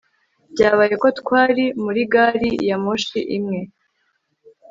Byabaye ko twari muri gari ya moshi imwe